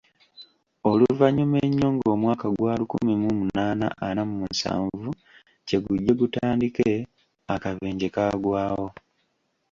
Oluvannyuma ennyo ng’omwaka gwa lukumi mu munaana ana mu musanvu kye gujje gutandike, akabenje kaagwawo.